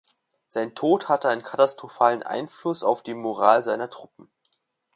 Sein Tod hatte einen katastrophalen Einfluss auf die Moral seiner Truppen.